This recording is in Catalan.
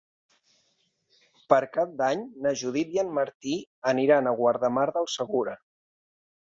Per Cap d'Any na Judit i en Martí aniran a Guardamar del Segura.